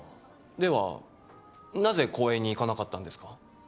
ではなぜ公園に行かなかったんですか？